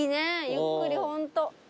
ゆっくりホント。